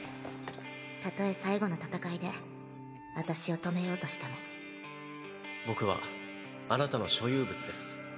たとえ最後の戦いで私を止めようとし僕はあなたの所有物です